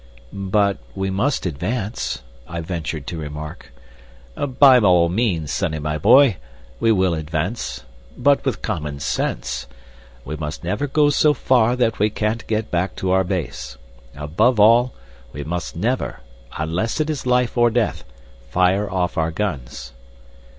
"But we must advance," I ventured to remark. "By all means, sonny my boy! We will advance. But with common sense. We must never go so far that we can't get back to our base. Above all, we must never, unless it is life or death, fire off our guns."